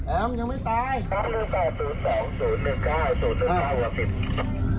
แอมยังไม่ตาย